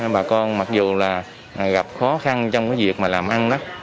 bà con mặc dù là gặp khó khăn trong cái việc mà làm ăn